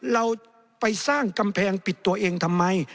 เราไปสร้างกำแพงปิดตัวเองทำไม